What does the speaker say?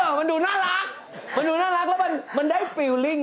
เออมันดูน่ารักมันดูน่ารักแล้วมันได้ความรู้สึก